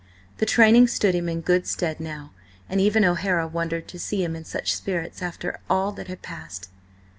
The training stood him in good stead now, and even O'Hara wondered to see him in such spirits after all that had passed.